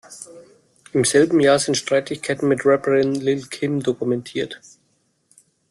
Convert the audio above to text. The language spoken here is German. Im selben Jahr sind Streitigkeiten mit Rapperin Lil Kim dokumentiert.